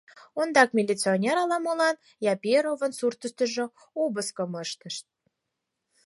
Ондак милиционер ала-молан Яперовын суртыштыжо обыскым ыштыш.